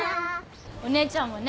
お姉ちゃんもね